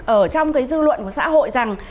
ở trong cái dư luận của xã hội rằng